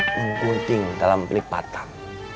menggunting dalam lipatan